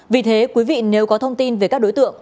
vì thế quý vị nếu có thông tin về các đối tượng